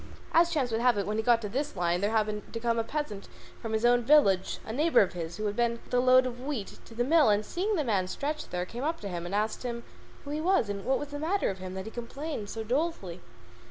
As chance would have it, when he had got to this line there happened to come by a peasant from his own village, a neighbour of his, who had been with a load of wheat to the mill, and he, seeing the man stretched there, came up to him and asked him who he was and what was the matter with him that he complained so dolefully.